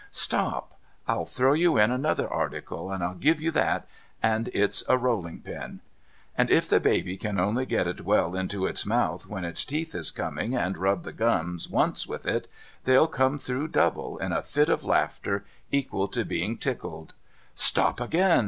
Stop ! I'll throw you in another article, and I'll give you that, and it's a rolling pin ; and if the baby can only get it well into its mouth when its teeth is coming and rub the gums once with it, they'll come through double, in a fit of laughter equal to being tickled. Stop again